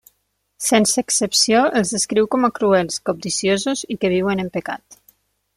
Sense excepció, els descriu com a cruels, cobdiciosos i que viuen en pecat.